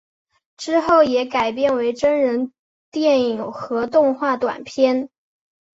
之后也改编为真人电影和动画短片。